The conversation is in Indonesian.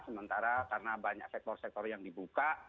sementara karena banyak sektor sektor yang dibuka